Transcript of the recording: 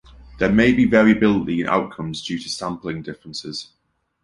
There may be variability in outcomes due to sampling differences.